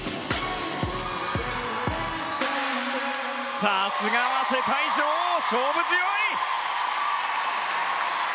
さすがは世界女王勝負強い！